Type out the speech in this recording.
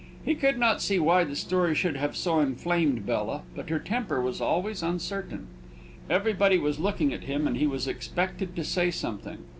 He could not see why the story should have so inflamed Bella; but her temper was always uncertain. Everybody was looking at him, and he was expected to say something.